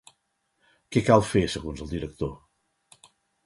Què cal fer, segons el director?